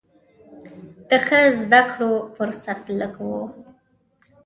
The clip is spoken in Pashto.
د ښه زده کړو فرصت لږ و.